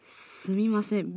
すみません。